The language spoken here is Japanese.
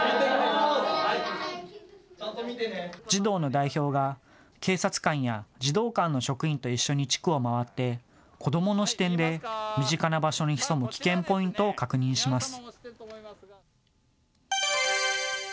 児童の代表が、警察官や児童館の職員と一緒に地区を回って子どもの視点で身近な場所に潜む危険ポイントを確認します。